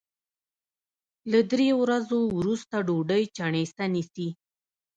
د درې ورځو وروسته ډوډۍ چڼېسه نیسي